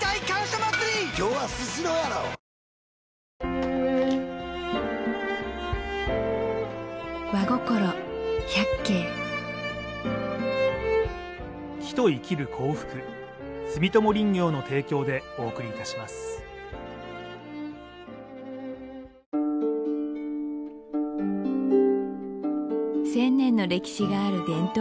ニトリ１０００年の歴史がある伝統